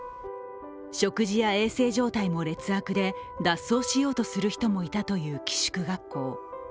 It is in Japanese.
食事や、衛生状態も劣悪で脱走しようとする人もいたという寄宿学校。